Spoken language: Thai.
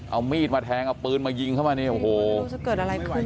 เอามีดมาแทงเอาปืนมายิงเข้ามาเนี่ยโอ้โหจะเกิดอะไรขึ้น